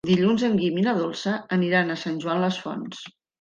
Dilluns en Guim i na Dolça aniran a Sant Joan les Fonts.